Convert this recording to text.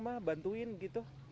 masih bisa bantuin gitu